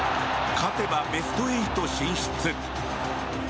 勝てばベスト８進出。